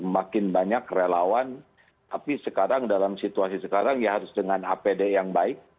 makin banyak relawan tapi sekarang dalam situasi sekarang ya harus dengan apd yang baik